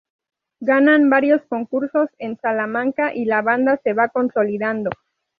Ganan varios concursos en Salamanca y la banda se va consolidando.